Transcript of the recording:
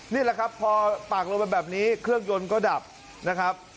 นี่แหละครับพอปากลงไปแบบนี้เครื่องยนต์ก็ดับนะครับ